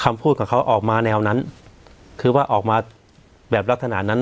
คำพูดของเขาออกมาแนวนั้นคือว่าออกมาแบบลักษณะนั้น